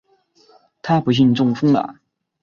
她不幸中风了